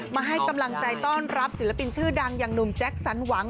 มาให้กำลังใจต้อนรับศิลปินชื่อดังอย่างหนุ่มแจ็คสันหวัง